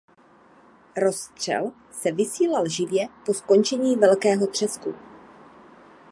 Rozstřel se vysílal živě po skončení Velkého třesku.